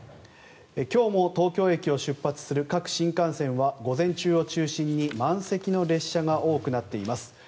今日も東京駅を出発する各新幹線は午前中を中心に満席の列車が多くなっています。